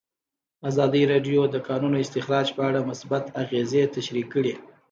ازادي راډیو د د کانونو استخراج په اړه مثبت اغېزې تشریح کړي.